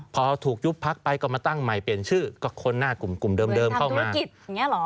พอถูกยุบพักไปก็มาตั้งใหม่เปลี่ยนชื่อก็คนหน้ากลุ่มกลุ่มเดิมเข้ามาเหมือนทำธุรกิจอย่างนี้หรอ